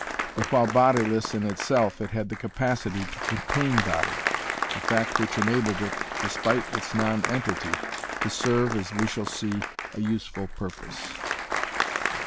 But while bodiless itself, it had the capacity to contain body, a fact which enabled it, despite its non entity, to serve, as we shall see, a useful purpose.